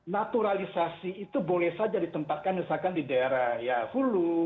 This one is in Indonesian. naturalisasi itu boleh saja ditempatkan misalkan di daerah ya hulu